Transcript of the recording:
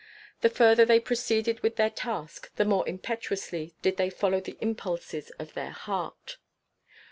The further they proceeded with their task, the more impetuously did they follow the impulses of their heart.